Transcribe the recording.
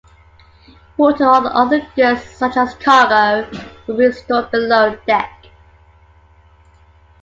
Water or other goods such as cargo would be stored below deck.